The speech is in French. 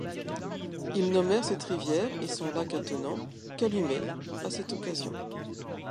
Ils nommèrent cette rivière et son lac attenant Calumet à cette occasion.